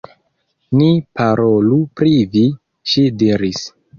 Ni parolu pri vi, ŝi diris.